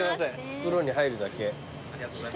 袋に入るだけ。